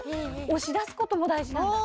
押し出すことも大事なんだ。